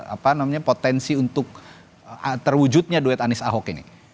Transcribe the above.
apa namanya potensi untuk terwujudnya duet anies ahok ini